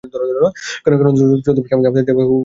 কারণ, চলতি মাস আমাদের দেবতা হুবল ও উযযার সম্মানিত মাস।